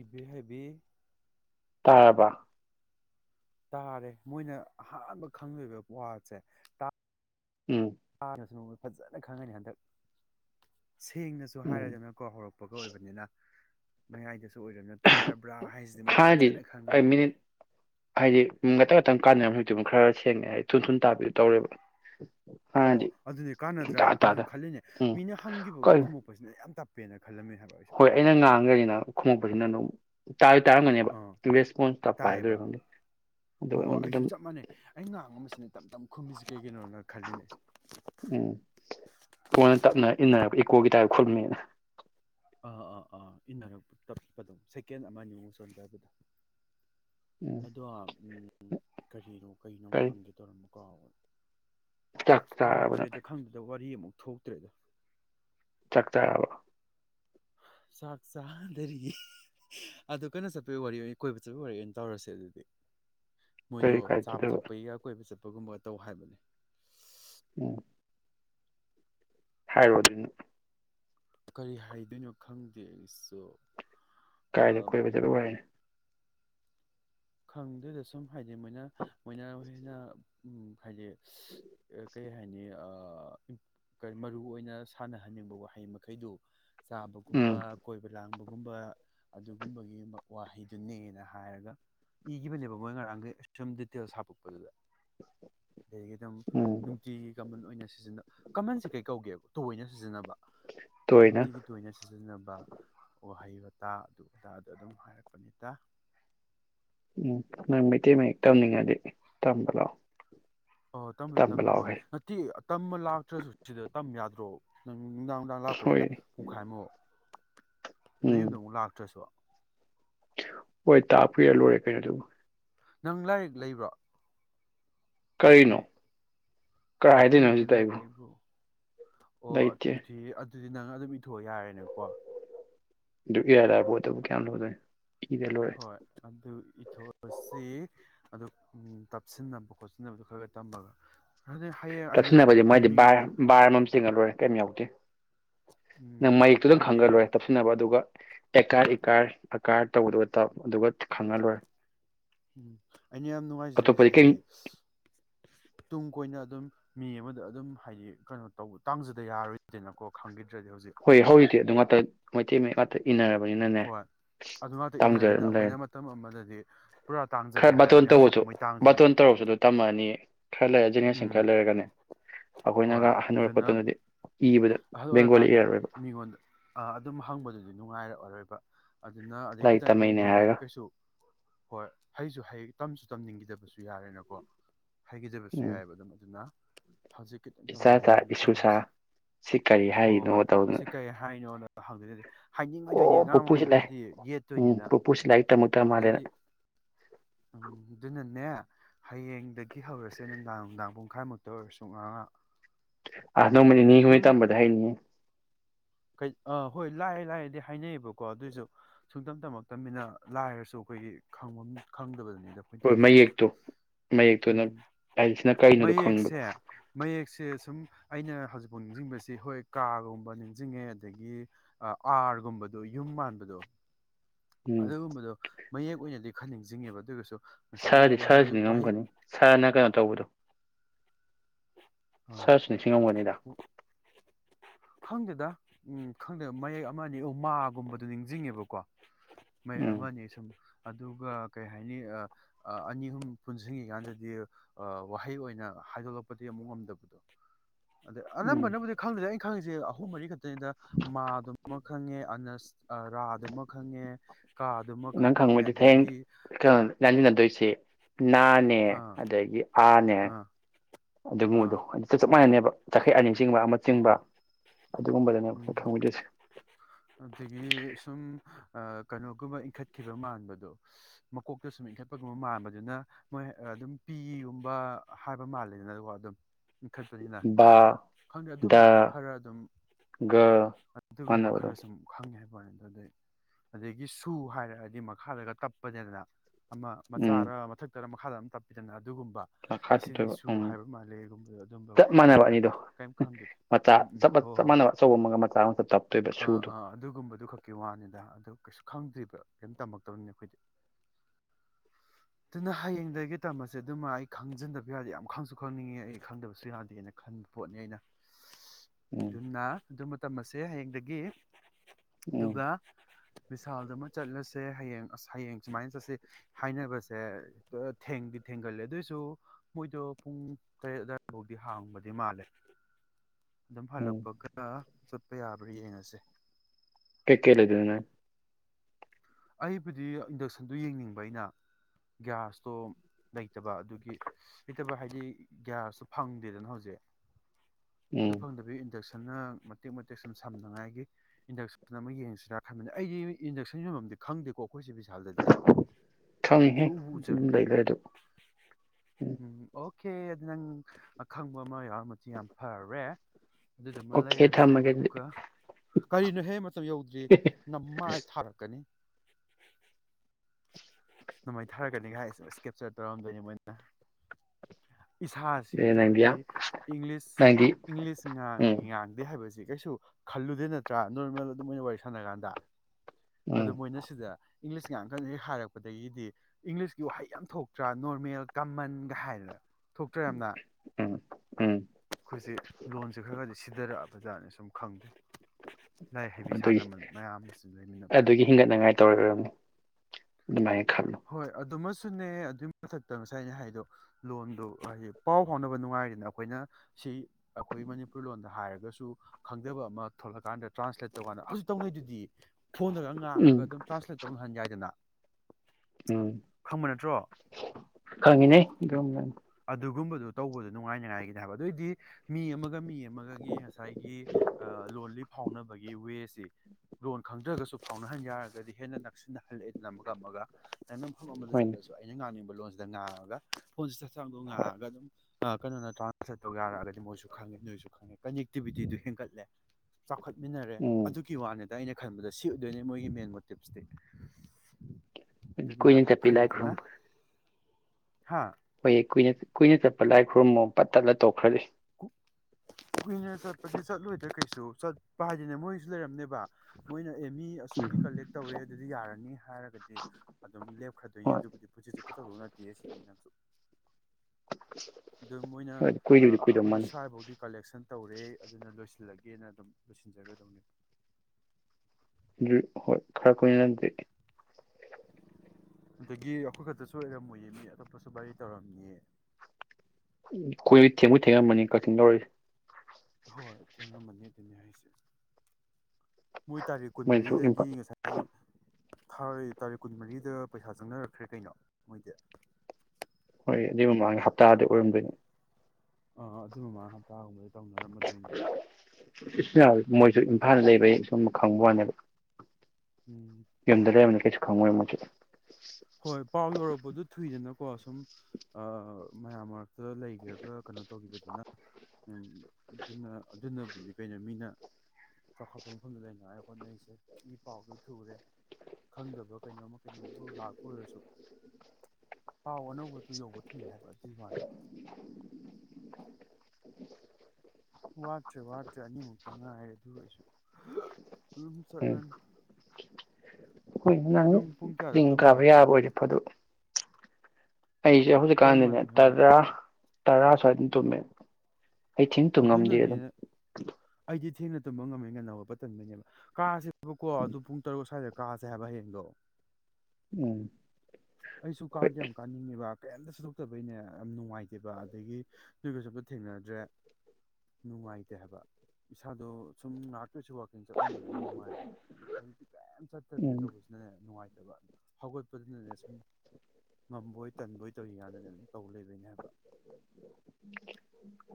ꯏꯕꯍꯕꯤ ꯍꯥꯕ ꯇꯥꯔꯦ ꯃꯣꯏꯅ ꯑꯍꯥꯟꯕ ꯈꯪꯗꯕ ꯋꯥꯁꯦ ꯎꯝ ꯍꯅꯁꯨ ꯃꯣꯏ ꯐꯖꯅ ꯈꯪꯉꯅꯤ ꯍꯟꯗꯛ ꯁꯦꯡꯅꯁꯨ ꯎꯝ ꯍꯥꯏꯔꯗꯅꯀꯣ ꯍꯧꯔꯛꯄꯒ ꯑꯣꯏꯕꯅꯤꯅ ꯃ ꯍꯥꯏꯥꯏꯗꯁꯦ ꯁꯨ ꯑꯣꯏꯔꯕꯅ ꯇꯥꯔꯕ꯭ꯔꯥ ꯍꯥꯏꯁꯤꯗꯤ ꯃꯣꯏ ꯍꯥꯟꯅꯗꯤ ꯐꯖꯅ ꯑꯩ ꯈꯪꯉꯅꯤ ꯈꯤꯇꯪ ꯀꯥꯟꯅꯔ ꯍꯧꯖꯤꯛꯇꯤ ꯑꯃꯨꯛ ꯈꯔ ꯁꯦꯡꯉꯦ ꯍꯥꯏꯗꯤ ꯊꯨ ꯊꯟ ꯇꯥꯕꯤꯗꯨ ꯇꯧꯔꯦꯕ ꯑꯣ ꯑꯣ ꯍꯥꯟꯅꯗꯤ ꯑꯗꯨꯗꯤ ꯁꯨꯡꯇꯥ ꯀꯥꯟꯅꯗ꯭ꯔꯥ ꯑꯩꯁꯨ ꯇꯥꯗ ꯈꯜꯂꯤꯅꯦ ꯎꯝ ꯃꯤꯅ ꯍꯪꯈꯤꯕꯒ ꯀꯩ ꯈꯨꯝꯃꯛꯄꯁꯤꯅ ꯌꯥꯝ ꯇꯞ ꯄꯅ ꯍꯣꯏ ꯑꯩꯅ ꯉꯥꯡꯒꯅꯤꯅ ꯈꯨꯝꯃꯛꯄꯁꯤꯅ ꯑꯗꯨꯝ ꯇꯥ ꯇꯥꯔꯝꯒꯅꯦꯕ ꯑꯥ ꯇ ꯔꯦꯁꯄꯣꯟꯁ ꯇꯞꯄ ꯇꯥꯏꯌꯦꯕ ꯍꯥꯏꯗꯣꯏꯔ ꯈꯪꯗꯤ ꯑꯗꯨꯒ ꯑꯩꯉꯣꯟꯗ ꯑꯗꯨꯝ ꯗ ꯈꯨꯃꯤꯁꯒ ꯎꯝ ꯀꯣꯟꯅ ꯇꯞꯅ ꯏꯟꯅꯔꯕ ꯏꯀꯣꯒꯤ ꯇꯥꯏꯞ ꯈꯃꯤꯅ ꯑꯥ ꯑꯥ ꯑꯥ ꯏꯟꯅꯔ ꯇꯞꯄ ꯑꯗꯨꯝ ꯁꯦꯀꯦꯟ ꯑꯃ ꯅꯤꯃꯨ ꯆꯣꯟꯗꯕꯗ ꯎꯝ ꯑꯗꯣ ꯀꯔꯤꯅꯣ ꯀꯩꯅꯣꯝ ꯀꯔꯤ ꯍꯪꯒꯦ ꯇꯧꯔꯝꯕꯅꯦ꯫ ꯀꯥꯑꯣꯒꯔ꯭ꯦ꯫ ꯆꯥꯛ ꯆꯥꯔꯕ ꯅꯪ? [unintelligible] ꯑꯃꯨꯛ ꯊꯣꯛꯇ꯭ꯔꯦꯗ꯫ ꯆꯥꯛ ꯆꯔꯥꯕꯣ? ꯆꯥꯛ ꯆꯥꯗꯔꯤ ꯑꯗꯨ ꯀꯦꯅꯣ ꯆꯠꯄꯒꯤ ꯋꯥꯔꯤ ꯀꯣꯏꯕ ꯆꯠꯄꯒꯤ ꯋꯥꯔꯤ ꯑꯣꯏꯅ ꯇꯧꯔꯁꯦ ꯑꯗꯨꯗꯤ꯫ ꯃꯣꯏꯗꯣ ꯀꯔꯤ ꯀꯥꯏ ꯆꯥꯕ ꯆꯠꯇꯣꯏꯕ ꯊꯛꯄꯒꯤꯒ ꯀꯣꯏꯕ ꯆꯠꯄ ꯒꯨꯝꯕ ꯇꯧ ꯍꯥꯏꯕꯅꯤ꯫ ꯍꯥꯏꯔꯨ ꯑꯗꯨꯅꯤ꯫ ꯀꯔꯤ ꯍꯥꯏꯗꯣꯏꯅꯣ ꯈꯪꯗꯦ ꯑꯩꯁꯨ꯫ ꯀꯥꯏꯗ ꯀꯣꯏꯕ ꯆꯠꯂꯨꯕꯩ? ꯈꯪꯗꯦꯗ ꯁꯨꯝ ꯍꯥꯏꯗꯤ ꯃꯣꯏꯅ ꯃꯣꯏꯅ ꯑꯣꯏꯅ ꯎꯝ ꯍꯥꯏꯗꯤ ꯀꯩ ꯍꯥꯏꯅꯤ? ꯑꯃꯥ ꯃꯔꯨ ꯑꯣꯏꯅ ꯁꯥꯟꯅꯍꯟꯅꯤꯡꯕ ꯋꯥꯍꯩ ꯃꯈꯩꯗꯨ ꯎꯝ ꯆꯥꯕꯒꯨꯝꯕ, ꯀꯣꯏꯕ ꯂꯥꯡꯕꯒꯨꯝ ꯒꯨꯝꯕ ꯑꯗꯨꯒꯨꯝꯕꯒꯤ ꯋꯥꯍꯩꯗꯨꯅꯦꯅ ꯍꯥꯏꯔꯒ ꯏꯈꯤꯕꯅꯦꯕ ꯃꯣꯏ ꯉꯔꯥꯡꯒꯤ ꯁꯨꯝ ꯗꯤꯇꯦꯜꯁ ꯍꯥꯞꯄꯛꯄꯗꯨꯗ꯫ ꯑꯗꯒꯤ ꯑꯗꯨꯝ ꯎꯝ ꯅꯨꯡꯇꯤꯒꯤ ꯀꯃꯟ ꯑꯣꯏꯅ ꯁꯤꯖꯤꯟꯅ ꯀꯃꯟꯁꯦ ꯀꯩ ꯀꯧꯒꯦꯕ? ꯇꯣꯏꯅ ꯁꯤꯖꯤꯟꯅꯕ꯫ ꯇꯣꯏꯅ ꯅꯨꯡꯇꯤꯒꯤ ꯇꯣꯏꯅ ꯁꯤꯖꯤꯟꯅꯕ ꯋꯥꯍꯩ ꯇꯥ ꯑꯗꯨ ꯑꯇꯥꯗ ꯑꯗꯨꯝ ꯍꯥꯏꯔꯛꯄꯅꯤꯗ꯫ ꯎꯝ ꯅꯪ ꯃꯩꯇꯩ ꯃꯌꯦꯛ ꯇꯝꯅꯤꯡꯉꯗꯤ ꯇꯝꯕ ꯂꯥꯛꯑꯣ꯫ ꯑꯣ ꯇꯝꯕꯨꯗꯤ ꯇꯝꯕ ꯂꯥꯛꯑꯣ ꯇꯝꯅꯤꯡꯉꯦ ꯀꯩꯅꯣ ꯅꯠꯇꯦ ꯇꯝꯕ ꯂꯥꯛꯇ꯭ꯔꯁꯨ ꯁꯤꯗ ꯇꯝ ꯌꯥ ꯅꯨꯡꯗꯥꯡ- ꯅꯨꯡꯗꯥꯡ ꯂꯥꯛꯄꯁꯤꯗ ꯍꯣꯏ ꯄꯨꯡꯈꯥꯏꯃꯨꯛ ꯅꯣꯏ ꯌꯨꯝꯗ ꯎꯝ ꯑꯃꯨꯛ ꯂꯥꯛꯇ꯭ꯔꯁꯨ꯫ ꯍꯣꯏ ꯇꯥꯛꯄꯤꯔ ꯂꯣꯏꯔꯦ ꯀꯩꯅꯣ ꯑꯗꯨꯕꯨ꯫ ꯅꯪ ꯂꯥꯏꯔꯤꯛ ꯂꯩꯕ꯭ꯔꯣ? ꯃꯩꯇꯩ ꯀꯔꯤꯅꯣ ꯃꯌꯦꯛ ꯃꯩꯇꯩ ꯀꯥꯏꯔꯥꯏꯗꯩꯅꯣ ꯃꯌꯦꯛꯀꯤ ꯍꯧꯖꯤꯛꯇ ꯂꯥꯏꯔꯤꯛ ꯑꯩꯕꯨ꯫ ꯂꯩꯕ꯭ꯔꯣ ꯑꯣ ꯂꯩꯇꯦ ꯑꯗꯨꯗꯤ ꯑꯗꯨ ꯑꯗꯨꯗꯤ ꯅꯪ ꯑꯗꯨꯝ ꯏꯊꯣꯛ ꯌꯥꯔꯦ ꯅꯦꯀꯣ꯫ ꯑꯗꯨ ꯑꯦꯔꯥꯏ ꯂꯥꯏꯕ ꯄꯣꯠꯇꯨꯕꯨ ꯀꯌꯥꯝ ꯂꯨꯗꯣꯏꯅꯣ꯫ ꯏꯔ ꯂꯣꯏꯔꯦ ꯍꯣꯏ ꯑꯗꯨ ꯏꯊꯣꯛꯑꯁꯤ꯫ ꯑꯗꯨ ꯇꯞꯁꯤꯟꯅꯕ ꯈꯣꯁꯤꯟꯅꯕꯗꯨ ꯈꯔ-ꯈꯔ ꯇꯝꯃꯒ ꯑꯗꯨꯗꯩ ꯍꯌꯦꯡ ꯑꯩꯅ ꯇꯞꯁꯤꯟꯅꯕꯁꯦ ꯍꯥꯏꯗꯤ ꯃꯣꯏꯗꯤ ꯕꯥꯔ ꯃꯤꯉꯣꯟꯗ ꯕꯥꯔ ꯑꯃꯝ ꯆꯤꯡꯉ ꯂꯣꯏꯔꯦ ꯀꯤꯝ ꯌꯥꯎꯗꯦ ꯎꯝ ꯅꯪ ꯃꯌꯦꯛꯇꯨꯗꯪ ꯍꯥꯏꯗꯤꯅꯦ ꯈꯪꯒꯔꯂꯣꯏꯔꯦ ꯇꯞꯁꯤꯟꯅꯕ ꯑꯗꯨꯒ ꯑꯦꯀꯥꯔ ꯏꯀꯥꯔ ꯑꯀꯥꯔ ꯇꯧꯗꯨꯒ ꯇ ꯑꯗꯨꯒ ꯈꯪꯉ ꯂꯣꯏꯔꯦ ꯎꯝ ꯑꯩꯅ ꯌꯥꯝ ꯅꯨꯡꯉꯥꯏꯖꯔꯤꯁꯦ ꯑꯇꯣꯞꯄꯗꯤ ꯀꯩꯝ ꯍꯥꯏꯗꯤ ꯇꯨꯡ ꯀꯣꯏꯅ ꯑꯗꯨꯝ ꯃꯤ ꯑꯃꯗ ꯑꯗꯨꯝ ꯍꯥꯏꯗꯤ ꯀꯩꯅꯣ ꯇꯧꯕ ꯇꯥꯡꯖꯗ ꯌꯥꯔꯣꯏꯗꯅꯀꯣ ꯈꯪ ꯍꯣꯏ ꯍꯧꯏꯗꯤ ꯑꯗꯨ ꯉꯛꯇ ꯃꯩꯇꯩ ꯃꯌꯦꯛ ꯉꯥꯛ ꯏꯅꯔ ꯕꯅꯤꯅꯅꯦ ꯍꯣꯏ ꯑꯗꯨ ꯉꯥꯛꯇ ꯇꯝꯖꯔ ꯏꯅꯔꯃꯤꯅ ꯑꯩꯈꯣꯏꯅ ꯂꯩꯔꯅꯤ ꯃꯇꯝ ꯑꯃꯗꯗꯤ ꯄꯨꯔꯥ ꯇꯥꯡꯖꯒꯦ ꯈꯔ ꯕꯥꯇꯣꯟ ꯍꯥꯏꯔꯛꯑꯅꯤ ꯍꯧꯖꯤꯛꯄꯨ ꯇꯧꯕꯁꯨ ꯃꯣꯏ ꯕꯥꯇꯣꯟ ꯇꯥꯡꯖꯔꯤꯁꯤꯅꯤ ꯇꯧꯔꯁꯨ ꯑꯗꯨ ꯇꯝꯃꯛꯑꯅꯤ ꯈꯔ ꯂꯩꯔ ꯖꯦꯅꯦꯔꯦꯁꯟ ꯎꯝ ꯈꯔ ꯂꯩꯔꯒꯅꯦ ꯍꯣꯏ ꯑꯩꯈꯣꯏꯅꯒ ꯑꯍꯟ ꯑꯣꯏꯔꯛꯄ ꯑꯗꯨꯅ ꯃꯇꯝꯗꯗꯤ ꯏꯕꯗ ꯑꯍꯜ ꯕꯦꯡꯒꯣꯂꯤ ꯑꯣꯏꯔꯀꯥꯟꯗ ꯏꯔꯔꯣꯏ ꯃꯤꯉꯣꯟꯗ ꯑꯗꯨꯝ ꯍꯪꯕꯗꯨꯗꯤ ꯅꯨꯡꯉꯥꯏꯔ [inaudible] [inaudible] ꯑꯗꯨꯅ ꯑꯗꯩ ꯂꯥꯏꯔꯤꯛ ꯈꯤꯇꯪ ꯍꯟ ꯇꯝꯃꯛꯏꯅꯦ ꯍꯥꯏꯔꯒ ꯍꯟꯖꯤꯟꯈ꯭ꯔꯗꯤ ꯀꯩꯁꯨ ꯍꯣꯏ ꯍꯩꯁꯨ ꯍꯩ ꯇꯝꯁꯨ ꯇꯝꯅꯤꯡꯈꯤꯗꯕꯁꯨ ꯌꯥꯔꯦꯅꯀꯣ ꯍꯩꯒꯤꯗꯕꯁꯨ ꯎꯝ ꯌꯥꯏꯌꯦꯕꯀꯣ ꯑꯗꯨꯝ ꯑꯗꯨꯅ ꯍꯧꯖꯤꯛ ꯈꯤꯇꯪ ꯏꯆꯥ ꯇꯝꯅꯤ ꯆꯥ ꯏꯁꯨ ꯁꯥ ꯇꯍꯧꯁꯦ ꯁꯤ ꯀꯔꯤ ꯍꯣꯏ ꯍꯣꯏ ꯍꯥꯏꯔꯤꯅꯣ ꯇꯧꯗꯅ ꯁꯤ ꯀꯩ ꯍꯥꯏꯅꯣꯅ ꯍꯥꯏꯅꯤꯡ ꯑꯣ ꯉꯥ ꯄꯨꯄꯨꯁꯤ ꯂꯥꯏ ꯃꯈꯩꯗꯨꯅꯗꯤ ꯎꯝ ꯌꯦꯠꯇꯣꯏꯅꯤꯅ ꯄꯨꯄꯨꯁꯤ ꯂꯥꯏꯔꯤꯛ ꯇꯝꯃꯛꯇ ꯃꯥꯜꯂꯦꯅ ꯑꯗꯨꯗꯤ ꯎꯝ ꯑꯗꯨꯅꯅꯦ ꯍꯌꯦꯡꯗꯒꯤ ꯍꯧꯔꯁꯦ ꯅꯨꯡꯗꯥꯡ ꯅꯨꯡꯗꯥꯡ ꯄꯨꯡꯈꯥꯏꯃꯨꯛꯇ ꯑꯣꯏꯔꯁꯨ ꯉꯛ ꯉꯛ ꯑ ꯅꯣꯡꯃ ꯅꯤꯅꯤ ꯍꯨꯝꯅꯤ ꯇꯝꯕꯗ ꯍꯩꯅꯤꯍꯦ ꯑꯥ ꯍꯣꯏ ꯂꯥꯏꯑꯦ ꯂꯥꯏꯑꯦꯗꯤ ꯍꯥꯏꯅꯩꯌꯦꯕꯀꯣ ꯑꯗꯨꯑꯣꯏꯁꯨ ꯁꯨꯡꯇꯝ ꯇꯝꯃꯛꯇꯅꯤꯅ ꯂꯥꯏꯔꯁꯨ ꯑꯩꯈꯣꯏꯒꯤ ꯈꯪꯕ ꯈꯪꯗꯕꯅꯤꯅ ꯍꯣꯏ ꯃꯌꯦꯛꯇꯣ ꯃꯌꯦꯛꯇꯨꯅ ꯎꯝ ꯍꯥꯏꯁꯤꯅ ꯀꯩꯅꯣꯗꯣ ꯈꯪꯕꯗꯣ ꯃꯌꯦꯛꯁꯦ ꯃꯌꯦꯛꯁꯦ ꯁꯨꯝ ꯑꯩꯅ ꯍꯧꯖꯤꯛꯐꯥꯎ ꯅꯤꯡꯁꯤꯡꯕꯁꯤ ꯍꯣꯏ ꯀꯥꯒꯨꯝꯕ ꯆꯤꯡꯉꯦ ꯑꯗꯒꯤ ꯑꯥꯔꯒꯨꯝꯕꯗꯣ ꯌꯨꯝ ꯃꯥꯟꯕꯗꯣ ꯎꯝ ꯑꯗꯨꯒꯨꯝꯕꯗꯣ ꯃꯌꯦꯛ ꯑꯣꯏꯅꯗꯤ ꯈꯟ ꯅꯤꯡꯁꯤꯡꯉꯦꯕ ꯑꯗꯨ ꯑꯣꯏꯒꯁꯨ ꯁ ꯁꯤ ꯁꯥ ꯅꯤꯡꯁꯪ ꯉꯝꯒꯅꯤ ꯁꯥꯅ ꯀꯩꯅꯣ ꯇꯧꯕꯗꯣ ꯑꯥ ꯁ ꯁꯨ ꯅꯤꯡꯁꯤꯡꯉꯝꯒꯅꯤꯗ ꯈꯪꯗꯗ ꯎꯝ ꯈꯪꯗꯗ ꯃꯌꯦꯛ ꯑꯃꯅꯤ ꯑ ꯎ ꯃꯒꯨꯝꯕꯗꯨꯣ ꯅꯤꯡꯁꯤꯡꯉꯦꯕꯀꯣ ꯃꯌꯦꯛ ꯎꯝ ꯑꯃꯅꯤ ꯁꯨꯝ ꯑꯗꯨꯒ ꯀꯩ ꯍꯥꯏꯅꯤ ꯑꯅꯤ ꯑꯍꯨꯝ ꯄꯨꯟꯁꯤꯟꯈꯤꯀꯥꯟꯗꯗꯤ ꯋꯥꯍꯩ ꯑꯣꯏꯅ ꯍꯥꯏꯗꯣꯛꯂꯛꯄꯗꯤ ꯑꯃꯨꯛ ꯉꯝꯗꯕꯗꯣ ꯑꯗ ꯎꯝ ꯑꯅꯝꯕꯅꯕꯨꯗꯤ ꯈꯪꯗ꯭ꯔꯦ ꯑꯩ ꯑꯩꯁꯦ ꯑꯍꯨꯝ ꯃꯔꯤ ꯈꯛꯇꯅꯤꯗ ꯃꯥ ꯑꯗꯨꯝ ꯈꯪꯉꯦ ꯑꯅꯁ ꯔꯥꯗꯨꯃ ꯈꯪꯉꯦ ꯀꯥꯗꯨꯃ ꯅꯪ ꯈꯪꯉꯦ ꯈꯪꯕꯗꯤ ꯊꯌꯦꯡ ꯑꯗꯒꯤ ꯂꯥꯟꯃꯤꯟꯅꯗꯣꯏꯁꯤ ꯅꯥꯅꯦ ꯑꯥ ꯑꯗꯒꯤ ꯑꯥꯅꯦ ꯑꯥ ꯑꯗꯨ ꯃꯣꯏꯗꯣ ꯑꯥ ꯑꯗꯨ ꯆ ꯆꯞ ꯃꯥꯟꯅꯅꯦꯕ ꯆꯈꯩ ꯑꯅꯤꯡ ꯆꯤꯡꯕ ꯑꯃ ꯆꯤꯡꯕ ꯑꯣ ꯑꯗꯨꯒꯨꯝꯕꯗꯅꯦꯕ ꯈꯔ ꯎꯝ ꯈꯪꯉꯣꯏꯗꯣꯏꯁꯦ ꯑꯗꯨꯗꯒꯤ ꯁꯨꯝ ꯀꯩꯅꯣꯒꯨꯝꯕ ꯏꯟꯈꯠꯈꯤꯕ ꯃꯥꯟꯕꯗꯣ ꯃꯀꯣꯛꯇ ꯁꯨꯝ ꯏꯟꯈꯠꯄꯒꯨꯝꯕ ꯃꯥꯟꯕꯗꯨꯅ ꯃꯣꯏ ꯑꯗꯨꯝ ꯄꯤꯒꯨꯝꯕ ꯍꯥꯏꯕ ꯃꯥꯜꯂꯦꯗꯅꯀꯣ ꯑꯗꯨꯝ ꯄꯈꯠꯄꯅꯤꯅ ꯕꯥ ꯈꯪꯗꯦ ꯑꯗꯨꯝ ꯈꯔ ꯑꯗꯨꯝ ꯑꯗꯨꯒꯨꯝꯕ ꯃꯕꯗꯣ ꯈꯔ ꯁꯨꯝ ꯈꯪꯉꯦ ꯍꯥꯏꯕꯅꯤꯗ ꯑꯗꯨꯩ ꯑꯗꯒꯤ ꯁꯨ ꯍꯥꯏꯔꯛꯑꯗꯤ ꯃꯈꯥꯗꯒ ꯇꯞꯄꯅꯦꯗꯅ ꯑꯃ ꯎꯝ ꯃꯆꯥꯔ ꯃꯊꯛ ꯈꯔ ꯃꯈꯥꯗ ꯑꯃ ꯇꯄꯤꯖꯅꯔꯦ ꯑꯗꯨꯒꯨꯝꯕ ꯃꯈꯥ ꯑꯦ ꯁꯤꯗꯤ ꯇꯞꯇꯣꯏꯕ ꯁꯨ ꯎꯝ ꯍꯥꯏꯕ ꯃꯥꯜꯂꯦ ꯑꯗꯨꯒꯨꯝꯕꯗꯣ ꯑꯗꯨꯝꯕ ꯆꯞ ꯃꯥꯟꯅꯕ ꯈꯛꯇꯅꯤꯗ ꯑꯅꯤꯗꯣ ꯀꯔꯤꯝ ꯈꯪꯗꯦꯗ ꯃꯆꯥ ꯎꯝ ꯎꯝ ꯆꯞ ꯍ ꯆꯞ ꯍ ꯃꯥꯟꯅꯕ ꯑꯆꯧꯕ ꯑꯃꯒ ꯃꯆꯥ ꯑꯃꯒ ꯇꯞꯇꯣꯏꯕ ꯑꯥ ꯁꯨꯗꯣ ꯑꯥ ꯑꯗꯨꯒꯨꯝꯕꯗꯨ ꯈꯛꯀꯤ ꯋꯥꯅꯤꯗ ꯑꯗꯨ ꯀꯩꯁꯨ ꯈꯪꯗ꯭ꯔꯤꯕ ꯀꯔꯤꯝ ꯇꯝꯃꯛꯇꯕꯅꯤ ꯑꯩꯈꯣꯏꯗꯤ ꯑꯗꯨꯅ ꯍꯌꯦꯡꯗꯒꯤ ꯇꯝꯝꯕꯁꯦ ꯑꯗꯨꯃ ꯑꯩ ꯈꯪꯖꯟꯗꯕ ꯌꯥꯗꯦ ꯌꯥꯝ ꯈꯪꯁꯨ ꯈꯪꯅꯤꯡꯉꯦ ꯑꯩ ꯈꯪꯗꯕꯁꯨ ꯌꯥꯗꯦꯅ ꯈꯟꯕ ꯄꯣꯠꯅꯤ ꯑꯩꯅ ꯎꯝ ꯑꯗꯨꯅ ꯑꯗꯨ ꯃꯇꯝ ꯑꯁꯦ ꯍꯌꯦꯡꯗꯒꯤ ꯎꯝ ꯑꯗꯨꯒꯗꯨꯒ ꯃꯤꯁꯥꯜꯗ ꯑꯃ ꯆꯠꯂꯁꯦ ꯍꯌꯦꯡ ꯑꯁ ꯍꯌꯦꯡ ꯁꯨꯃꯥꯏꯅ ꯆꯠꯁ ꯍꯥꯏꯅꯕꯁꯦ ꯊꯦꯡꯗꯤ ꯊꯦꯡꯒꯜꯂꯦ ꯑꯗꯨꯑꯣꯏꯁꯨ ꯃꯣꯏꯗꯣ ꯄꯨꯡ ꯇꯔꯦꯠ ꯑꯗꯨꯋꯥꯏ ꯐꯥꯎꯗꯤ ꯍꯥꯡꯕꯗꯤ ꯃꯥꯜꯂꯦ ꯑꯗꯨꯝ ꯎꯝ ꯍꯜꯂꯛꯄꯒ ꯆꯠꯄ ꯌꯥꯕꯔꯤ ꯌꯦꯡꯉꯁꯦ ꯀ ꯀ ꯂꯩ ꯑꯗꯨꯅꯦ ꯑꯩꯕꯨꯗꯤ ꯏꯟꯗꯛꯁꯟꯗꯨ ꯌꯦꯡꯅꯤꯡꯕ ꯑꯩꯅ ꯒꯌꯥꯁꯇꯣ ꯂꯩꯇꯕ ꯑꯗꯨꯒꯤ ꯂꯩꯇꯕ ꯍꯥꯏꯗꯤ ꯒꯤꯒ꯭ꯌꯥꯁꯇꯣ ꯐꯪꯗꯦꯗꯅ ꯍꯧꯖꯤꯛ ꯎꯝ ꯑꯗꯨ ꯐꯪꯗꯕꯤ ꯏꯟꯗꯛꯁꯟꯅ ꯃꯇꯦꯛ ꯃꯇꯦꯛ ꯁꯨꯝ ꯁꯝꯅꯉꯥꯏꯒꯤ ꯏꯟꯗꯛꯁꯟ ꯑꯃ ꯌꯦꯡꯁꯤꯔꯥ ꯈꯟꯕꯅꯤ ꯑꯩꯗꯤ ꯏꯟꯗꯛꯁꯟ ꯌꯣꯟꯐꯝꯝ ꯈꯪꯗꯦꯀꯣ ꯑꯩꯈꯣꯏ ꯁꯤꯦ ꯕꯤꯁꯥꯗꯗꯤ ꯈꯉꯦ ꯎ ꯂꯩ ꯂꯩ ꯑꯗꯨ ꯎꯝ ꯀꯦꯗ ꯅꯪ ꯑ ꯈꯪꯕ ꯑꯃ ꯌꯥꯎꯔꯝꯃꯗꯤ ꯌꯥꯝ ꯐꯔꯦ ꯑꯗꯨꯗꯨꯃ ꯑꯣꯀꯦ ꯂꯩꯔꯁꯦ ꯊꯝꯃꯒꯦ ꯑꯗꯨꯗꯤ ꯑꯗꯨꯒ ꯀꯔꯤꯅꯣ ꯍꯦꯛ ꯃꯇꯝ ꯌꯧꯗ꯭ꯔꯤ ꯅꯃꯥꯏ ꯊꯥꯔꯛꯀꯅꯤ ꯅꯣꯡꯃꯩ ꯊꯥꯔꯛꯀꯅꯤꯒꯥꯏꯁ ꯏꯁ ꯀꯦꯞꯆꯔ ꯇꯧꯔꯝꯗꯣꯏꯅꯤ ꯃꯣꯏꯅ ꯏꯁꯥꯁꯤ ꯅꯪꯗꯤ ꯑꯩꯈꯣꯏꯒꯤ ꯌꯥꯝ ꯏꯪꯂꯤꯁ ꯅꯪꯗꯤ ꯏꯪꯂꯤꯁ ꯉꯥꯡꯤ ꯎꯝ ꯉꯥꯡꯗꯦ ꯍꯥꯏꯕꯁꯤ ꯀꯩꯁꯨ ꯈꯜꯂꯨꯗꯦ ꯅꯠꯇ꯭ꯔꯥ ꯅꯣꯔꯃꯦꯜ ꯑꯗꯨꯝ ꯃꯣꯏꯅ ꯋꯥꯔꯤ ꯁꯥꯟꯅ ꯀꯥꯟꯗ ꯎꯝ ꯑꯗꯨ ꯃꯣꯏꯅ ꯁꯤꯗ ꯏꯪꯂꯤꯁ ꯉꯇꯅ ꯍ ꯍꯥꯏꯔꯛꯄ ꯑꯗꯒꯤꯗꯤ ꯏꯪꯂꯤꯁꯀꯤ ꯋꯥꯍꯩ ꯌꯥꯝ ꯊꯣꯛꯇ꯭ꯔꯥ ꯅꯣꯔꯃꯦꯜ ꯀꯃꯟꯒ ꯍꯥꯏꯔ ꯊꯣꯛꯇ꯭ꯔ ꯌꯥꯝꯅ ꯎꯝ ꯎꯝ ꯑꯩꯈꯣꯏꯁꯦ ꯂꯣꯟꯁꯦ ꯈꯔ ꯈꯔꯗꯤ ꯁꯤꯊꯔꯛꯑꯕ ꯑꯣꯕꯖꯥꯔꯅ ꯁꯨꯝ ꯈꯪꯗꯦ ꯂꯥꯏꯔꯤꯛ ꯍꯩꯕꯤ ꯑꯗꯨꯒꯤ ꯁꯥꯟꯅꯃꯜ ꯃꯌꯥꯝ ꯑꯃꯁꯨ ꯂꯩꯃꯤꯟꯅꯕ ꯑꯗꯨꯒꯤ ꯍꯤꯡꯒꯠꯅꯉꯥꯏ ꯇꯧꯔ ꯑꯣꯏꯔꯝꯅꯤ꯫ ꯃꯥꯏ ꯑꯗꯨꯨꯅꯦ ꯑꯗꯨꯒꯤ ꯃꯊꯛꯇ ꯉꯁꯥꯏ ꯑꯩꯅ ꯍꯥꯏꯗꯣ ꯂꯣꯟꯗꯣ ꯍꯥꯏꯗꯤ ꯄꯥꯎ ꯐꯥꯎꯅꯕ ꯅꯨꯡꯉꯥꯏꯗꯅ ꯑꯩꯈꯣꯏꯅ ꯁꯤ ꯑꯩꯈꯣꯏ ꯃꯅꯤꯄꯨꯔꯤ ꯂꯣꯟꯗ ꯍꯥꯏꯔꯒꯁꯨ ꯈꯪꯗꯕ ꯑꯃ ꯊꯣꯛꯂꯛꯀꯥꯟꯗ ꯇ꯭ꯔꯥꯟꯁꯂꯦꯠ ꯍꯧꯖꯤꯛ ꯇꯧꯅꯩꯗꯨꯗꯤ ꯐꯣꯟ ꯗꯒꯥ ꯎꯝ ꯉꯥꯡꯉꯒ ꯑꯗꯨꯝ ꯇꯔꯥꯟꯁꯂꯦꯠ ꯇꯧꯅꯍꯟ ꯌꯥꯏꯗꯅ꯫ ꯎꯝ ꯈꯪꯕ ꯅꯠꯇ꯭ꯔꯣ ꯈꯪꯉꯤꯅꯦ꯫ ꯑꯗꯨꯒꯨꯝꯕꯗꯨ ꯇꯧꯕꯗꯨꯣ ꯅꯨꯡꯉꯥꯏꯅꯤꯉꯥꯏꯒꯤꯅꯦ ꯍꯥꯏꯕ ꯑꯗꯨꯑꯣꯏꯗꯤ ꯃꯤ ꯑꯃꯒ ꯃꯤ ꯉꯁꯥꯏꯒꯤ ꯑꯥ ꯂꯣꯟ ꯂꯤ ꯐꯥꯎꯅ ꯑꯩꯈꯣꯏꯒꯤ ꯋꯦꯁꯤ ꯂꯣꯟ ꯈꯪꯗ꯭ꯔꯒꯁꯨ ꯐꯥꯎꯅꯍꯟ ꯌꯥꯔꯒꯗꯤ ꯍꯦꯟꯅ ꯅꯛꯁꯤꯟꯅꯍꯜꯂꯛꯑꯦꯗꯅ ꯑꯃꯒ - ꯑꯃꯒ꯫ ꯅ ꯃꯐꯝ ꯑꯃꯗ ꯍꯣꯏꯅꯦ ꯆꯠꯂꯁꯨ ꯑꯩꯅ ꯉꯥꯡꯅꯤꯡꯕ ꯂꯣꯟ ꯁꯤꯗ ꯉꯥꯡꯉꯒ [unintelligible] ꯍꯣꯏ ꯉꯒ ꯑꯗꯨꯝ ꯀꯩꯅꯣꯅ ꯇ꯭ꯔꯥꯟꯁꯐꯔꯠ ꯇꯧ ꯌꯥꯔꯛꯑꯒꯗꯤ ꯃꯣꯏꯁꯨ ꯈꯪꯉꯦ ꯅꯣꯏꯁꯨ ꯈꯪꯉꯦ ꯀꯅꯦꯛꯇꯤꯚꯤꯇꯤꯗꯨ ꯍꯦꯟꯒꯠꯂꯦ꯫ ꯆꯥꯎꯈꯠꯃꯤꯟꯅꯔꯦ ꯎꯝ ꯑꯗꯨꯒꯤ ꯋꯥꯅꯤ꯫ ꯑꯗ ꯑꯩꯅ ꯈꯟꯕꯗ ꯁꯤ ꯑꯣꯏꯗꯣꯏꯅꯦ ꯃꯣꯏꯒꯤ ꯃꯦꯟ ꯃꯣꯇꯤꯞꯁꯇꯤ꯫ ꯀꯣꯏ ꯆꯠꯄꯤ [unintelligible] ꯍꯥꯥ? ꯍꯣꯏ ꯀꯨꯏꯅ- ꯀꯨꯏꯅ ꯆꯠꯄ ꯂꯥꯏ ꯈꯨꯔꯨꯝꯃ ꯄꯠ ꯇꯠꯂ ꯇꯣꯛꯈ꯭ꯔꯗꯤ꯫ ꯀꯨꯏꯅ ꯆꯠꯄꯁꯤ ꯆꯠꯂꯣꯏꯗ꯭ꯔꯥ ꯀꯩꯁꯨ ꯆꯠꯄ ꯍꯥꯏꯗꯤꯅꯦ ꯃꯣꯏꯁꯨ ꯂꯩꯔꯝꯅꯦꯕ ꯃꯣꯏꯅ ꯑꯦꯝ ꯏ ꯎꯝ ꯑꯁꯨꯛꯀꯤ ꯀꯂꯦꯛ ꯇꯧꯔꯦ ꯑꯗꯨꯗꯤ ꯌꯥꯔꯅꯤ ꯍꯥꯏꯔꯒꯗꯤ ꯑꯗꯨꯝ ꯂꯦꯞꯈ꯭ꯔꯗꯣꯏꯅꯤ ꯍꯣꯏ ꯑꯗꯨꯕꯨꯗꯤ ꯄꯨꯟꯁꯤ ꯆꯨꯞꯄ ꯇꯧꯗꯧꯅꯗꯦ ꯑꯁꯤꯗꯤ ꯅꯪꯁꯨ꯫ ꯑꯗꯨ ꯃꯣꯏꯅ ꯍꯣꯏ ꯀꯨꯏꯕꯨꯗꯤ ꯀꯨꯏꯗꯧ ꯑꯩꯈꯣꯏ ꯃꯥꯜꯂꯤ ꯁ꯭ꯋꯥꯏꯐꯥꯎꯗꯤ ꯀꯂꯦꯛꯁꯟ ꯇꯧꯔꯦ ꯑꯗꯨꯅ ꯂꯣꯏꯁꯤꯜꯂꯒꯦꯅ ꯑꯗꯨꯝ ꯂꯣꯏꯁꯤꯟꯖꯒꯗꯧꯅꯦ꯫ ꯍꯧ ꯍꯣꯏ ꯈꯔ ꯀꯨꯏꯅꯗꯤ ꯑꯗꯒꯤ ꯑꯩꯈꯣꯏ ꯈꯛꯇꯁꯨ ꯑꯣꯏꯔꯝꯃꯣꯏꯌꯦ ꯃꯤ ꯑꯇꯣꯞꯄꯁꯨ ꯕꯥꯔꯤ ꯇꯧꯔꯝꯅꯤꯌꯦ꯫ ꯑꯈꯣꯏꯅ ꯊꯦꯡꯕꯨ ꯊꯦꯡꯉꯃꯅꯤ ꯀꯛꯆꯤꯡ ꯂꯧꯔꯁꯤ ꯫ ꯍꯣꯏ ꯊꯦꯡꯉꯝꯃꯅꯤ ꯑꯗꯨꯅꯤ ꯍꯥꯏꯁꯦ꯫ ꯃꯣꯏ ꯇꯥꯔꯤꯛ ꯃꯣꯏꯁꯨ ꯀꯨꯟꯃꯔꯤꯗꯒꯤ ꯏꯝꯐꯥꯜ ꯉꯁꯥꯏ ꯊꯥ ꯇꯥꯔꯤꯛ ꯀꯨꯟꯃꯔꯤꯗ ꯄꯩꯁꯥ ꯆꯪꯅꯔꯛꯈ꯭ꯔꯦ ꯀꯩꯅꯣ ꯃꯣꯏꯗꯤ꯫ ꯑꯩ ꯑꯗꯨ ꯃꯃꯥꯡꯒꯤ ꯍꯞꯇꯥꯗꯤ ꯑꯣꯏꯔꯝꯗꯣꯏꯅꯤ꯫ ꯑ ꯑꯗꯨ ꯃꯃꯥꯡ ꯍꯞꯇꯥ ꯒꯨꯝꯕꯩ꯫ [unintelligible] ꯍꯥꯟꯅ ꯂꯩꯕ ꯑꯩ ꯁꯨꯝ ꯈꯪꯕ ꯋꯥꯅꯦꯕ꯫ ꯎꯝ ꯌꯨꯝꯗ ꯂꯩꯔꯝꯃꯗꯤ ꯀꯩꯁꯨ ꯈꯉꯣꯏ ꯃꯣꯏꯖꯨ꯫ ꯀꯣꯁꯨꯝ ꯑꯥ ꯃꯌꯥꯝ ꯇ ꯂꯩꯈ꯭ꯔꯒ ꯀꯩꯅꯣ ꯇꯧꯈꯤꯕꯗꯨꯅ ꯎ ꯑꯗꯨꯅ ꯑꯗꯨꯅꯁꯨꯅꯤ ꯀꯩꯅꯣ ꯃꯤꯅ ꯆꯥꯎꯈꯠꯄ ꯃꯐꯝꯗ ꯂꯩꯅꯉꯥꯏ ꯍꯣꯠꯅꯔꯤꯁꯦ ꯏ ꯄꯥꯎꯗꯨꯣ ꯊꯨꯔꯦ ꯈꯪꯗꯕ ꯀꯩꯅꯣꯝꯃ ꯀꯩꯅꯣꯕꯨ ꯂꯥꯛ ꯊꯥꯎ ꯑꯅꯧꯕꯗꯨ ꯌꯧꯕ ꯊꯣꯛꯏ ꯍꯥꯏꯕ ꯑꯗꯨꯏ ꯋꯥꯅꯤꯗ ꯋꯥꯠꯇ꯭ꯔꯦ ꯋꯥꯠꯇ꯭ꯔꯦ ꯑꯅꯤꯃꯨꯛꯇ ꯉꯥꯏꯔꯦ ꯑꯗꯨꯒ ꯑꯩꯁꯨ ꯑꯗꯨꯝ ꯎꯝ ꯆꯠꯂꯅꯤ ꯅꯪ ꯄꯨꯡ ꯀꯌꯥꯗ ꯆꯤꯡ ꯇꯨꯝꯒꯦ ꯀꯥꯕ ꯌꯥꯕ ꯑꯣꯏꯗꯤ ꯐꯗꯧ ꯑꯩꯁꯦ ꯀꯔꯝ ꯍꯧꯖꯤꯛꯀꯥꯟꯗꯤꯅꯦ ꯀꯥꯟꯗꯅꯣ ꯍꯥꯏꯁꯦ ꯇꯔꯥ ꯇꯔꯥꯥꯁꯥꯏꯟꯠꯇꯃꯦ ꯑꯩ ꯊꯤꯡ ꯇꯨꯡꯉꯝꯗꯦ ꯑꯗꯨꯝ ꯊꯤꯅ ꯇꯨꯝꯕ ꯉꯝꯃꯦ ꯉ ꯅꯧꯔꯄ ꯇꯟꯗꯅꯦꯕ ꯀꯥꯁꯤ ꯀꯣ ꯑꯗꯨ ꯄꯨꯡ ꯇꯨꯛ ꯑꯥꯁꯨꯋꯥꯏꯗ ꯀꯥꯁꯦ ꯍꯥꯏꯕ ꯍꯌꯦꯡꯗꯣ ꯎꯝ ꯑꯩꯁꯨꯨ ꯍꯣꯏ ꯀꯥꯗꯤ ꯌꯥꯝ ꯀꯥꯅꯤꯉꯦꯕ ꯎꯏ ꯁꯗꯣꯛꯇꯕꯩꯅꯦ ꯌꯥꯝ ꯅꯨꯡꯉꯥꯏꯇꯦꯕ ꯑꯗꯒꯤ ꯅꯣꯏꯒ ꯆꯞꯄ ꯊꯦꯡꯅꯗ꯭ꯔꯦ ꯅꯨꯡꯉꯥꯏꯇꯦ ꯍꯥꯏꯕ ꯏꯁꯥꯗꯣ ꯁꯨꯝ [unintelligible] ꯋꯥꯀꯤꯡ ꯆꯠꯂꯝꯕꯅꯤꯅ ꯅꯨꯡꯉꯥꯏ ꯍꯥꯏꯕ ꯍꯧꯖꯤꯛꯇꯤ ꯀꯔꯤꯝ ꯆꯠꯇꯗꯦ ꯎꯝ ꯇꯧꯕꯁꯤꯅꯅꯦ ꯅꯨꯡꯉꯥꯏꯇꯦ ꯠꯇ ꯍꯧꯒꯠꯄꯗꯨꯅꯅꯦ ꯁꯨꯝ ꯉꯝꯕꯣꯏ ꯇꯟꯕꯣꯏ ꯇꯧꯔꯤꯀꯥꯟꯗꯅꯦ ꯑꯗꯨꯝ ꯇꯧ ꯂꯩꯕꯅꯦ ꯍꯥꯏꯕ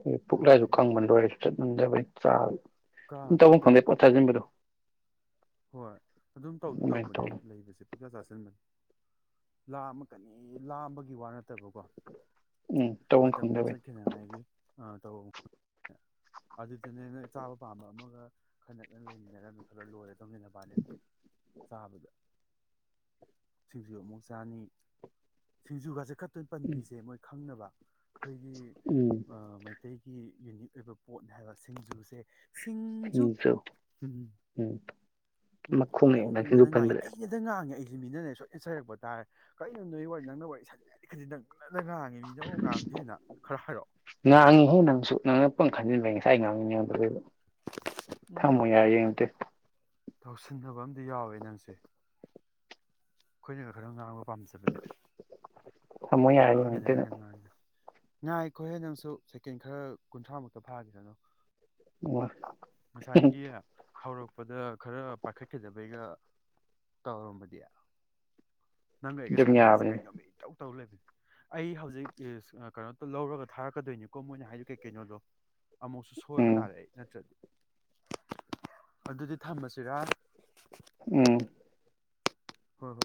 ꯍ ꯄꯨꯛꯂꯥꯏꯁꯨ ꯍꯌꯦꯡ ꯀꯪꯕꯟ ꯂꯣꯏꯔ ꯆꯠꯉꯝꯗꯕꯩ ꯆ [unintelligible] ꯀꯥꯁꯦ ꯇꯕꯨꯨꯡ ꯐꯪꯗꯦ ꯇꯔꯨꯛꯇ ꯄꯊꯁꯤꯕꯗꯣ ꯍꯣꯏ ꯑꯗꯨꯝ ꯇꯧꯗꯤ ꯇꯧꯕꯅꯦ ꯇꯧ ꯂꯩꯕꯁꯦ ꯄꯩꯖꯥ ꯆꯥꯁꯤꯟꯕꯅꯤ ꯂꯥꯝꯃꯀꯅꯤ ꯂꯥꯝꯕꯒꯤ ꯋꯥ ꯅ ꯐꯠꯇꯕꯀꯣ ꯎꯝ ꯇꯧꯐꯝ ꯃꯇꯝ ꯁꯨꯝ ꯈꯪꯗꯕꯩ ꯆꯠꯈꯤꯅꯉꯥꯏꯒꯤ ꯑ ꯇ ꯑ ꯆ ꯑꯄꯥꯝꯕ ꯑꯃꯒ ꯈ ꯅꯅ ꯂꯩꯃꯤꯟꯅꯔꯝꯃꯦ ꯈꯜꯂ ꯂꯣꯏꯔ ꯇꯧꯃꯤꯟꯅꯅꯕꯅꯤꯗ ꯆꯥꯕꯗ ꯁꯤꯡꯖꯨ ꯑꯃꯨꯛ ꯆꯥꯅꯤ ꯁꯤꯡꯖꯨꯒꯁꯦ [unintelligible] ꯎꯝ ꯄꯟꯕꯤꯁꯦ ꯃꯣꯏ ꯈꯪꯅꯕ ꯎꯝ ꯑꯩꯈꯣꯏꯒꯤ ꯌꯨꯅꯤꯛ ꯑꯣꯏꯕ ꯄꯣꯠꯅꯤ ꯍꯥꯏꯕ ꯁꯤꯡ ꯖꯨꯁꯦ ꯁꯤꯡꯖꯨ ꯐꯤꯁꯨ ꯎꯝ ꯎꯝ ꯎꯝ ꯌꯥꯝ ꯃꯈꯣꯡꯉꯛꯑꯦ ꯅꯪ ꯁꯤꯡꯖꯨ ꯉꯥꯡꯗꯅ ꯉꯥꯡꯉꯦ ꯄꯟꯕꯗ ꯑꯩꯩꯅꯗ ꯉꯥꯡꯉꯦ ꯃꯤꯅꯔꯦ ꯁꯣꯏ ꯏꯟ ꯁꯔꯛꯄ ꯇꯥꯔꯦ ꯀꯔꯤꯅꯣ ꯅꯒꯤ ꯋꯥꯔꯤ ꯅꯪꯅ ꯋꯥꯔꯤ ꯁ ꯈꯗꯤ ꯅꯪ ꯑꯗ ꯉꯥꯡꯉꯤ ꯃꯤꯅ ꯑꯃꯨꯛ ꯉꯥꯡꯗꯦꯅ ꯈꯔ ꯍꯥꯏꯔꯛꯑꯣ ꯉꯥꯡꯉꯤꯍꯦ ꯅꯪꯁꯨ ꯅꯪꯅ ꯄꯨꯡ ꯈꯟꯖꯤꯟꯕ ꯉꯁꯥꯏ ꯉꯥꯡꯉꯅꯤꯉꯣꯟꯣ ꯎꯝ ꯊꯝꯃꯨ ꯌꯥꯏ ꯌꯦꯡꯉꯇꯦ ꯇꯧꯁꯤꯟꯅꯕ ꯑꯝꯗꯤ ꯌꯥꯎꯋꯦ ꯅꯪꯁꯦ ꯑꯩꯈꯣꯏꯅ ꯈꯔꯪ ꯉꯥꯡꯕ ꯄꯥꯝꯖꯕꯅꯦ ꯊꯥꯃꯣ ꯌꯥꯔꯦ ꯌꯦꯪꯅꯤꯪꯇꯦ ꯅꯡ ꯉꯥꯏꯈꯣꯏ ꯍꯦ ꯅꯪꯁꯨ ꯁꯦꯀꯦꯟ ꯈꯔ ꯀꯨꯟꯊ꯭ꯔꯥ ꯃꯨꯛꯇ ꯐꯥꯈꯤꯁꯅꯨ ꯉꯁꯥꯏꯒꯤ [unintelligible] ꯍꯧꯔꯛꯄꯗ ꯈꯔ ꯄꯥꯏꯈꯠꯀꯤꯗꯕꯩꯒ ꯇꯧꯔꯝꯃꯗꯤ ꯅꯪꯒ ꯑꯩꯒ ꯑꯗꯨꯝ ꯁꯥꯟꯅꯕꯁꯦ ꯌꯥꯕꯅꯤꯅꯦ ꯀꯩꯅꯣꯝꯄ ꯏꯇꯧ ꯇꯧꯔ ꯂꯩꯔꯝꯃꯦ ꯑꯩ ꯍꯧꯖꯤꯛ ꯀꯩꯅꯣꯇ ꯂꯧꯔꯒ ꯊꯥꯔꯛꯀꯗꯣꯏꯅꯤꯀꯣ ꯃꯣꯏꯅ ꯍꯥꯏꯗꯤ ꯀꯩ ꯀꯩꯅꯣꯗꯣ ꯑꯃꯨꯛꯁꯨ ꯁꯣꯏꯕ ꯎꯝ ꯇꯥꯔꯦ ꯑꯩ ꯅꯠꯇ꯭ꯔꯗꯤ [unintelligible] ꯑꯗꯨꯗꯤ ꯊꯝꯃꯁꯤꯔꯥ ꯎꯝ ꯍꯣꯏ ꯍꯣꯏ